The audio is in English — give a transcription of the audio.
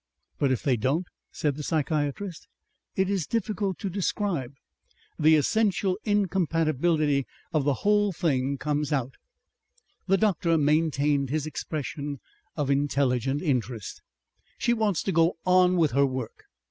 "But if they don't?" said the psychiatrist. "It is difficult to describe.... The essential incompatibility of the whole thing comes out." The doctor maintained his expression of intelligent interest. "She wants to go on with her work.